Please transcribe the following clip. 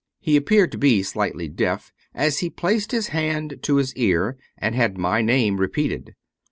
He appeared to be slightly deaf, as he placed his hand to his ear and had my name repeated.